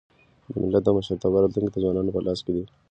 د ملت د مشرتابه راتلونکی د ځوانانو په لاس کي دی.